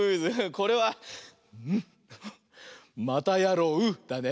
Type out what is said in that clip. これは「またやろう」だね。